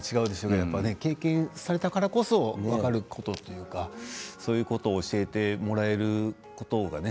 でも経験されたからこそ分かることというかそういうことを教えてもらえることがね